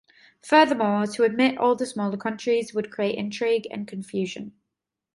Furthermore, to admit all the smaller countries, would create intrigue and confusion.